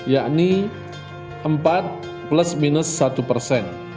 yakni empat plus minus satu persen